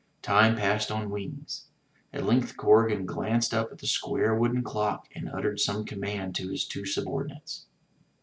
Time passed on wings. At length Corrigan glanced up at the square wooden clock and uttered some command to his two subordi nates.